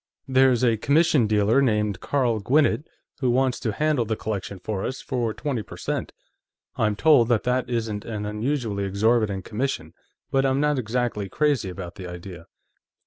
"There's a commission dealer named Carl Gwinnett, who wants to handle the collection for us, for twenty per cent. I'm told that that isn't an unusually exorbitant commission, but I'm not exactly crazy about the idea."